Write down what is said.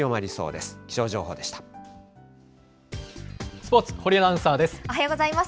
スポーツ、堀アナウンサーです。